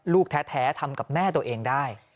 ลูกแท้ทำกับแม่ตัวเองได้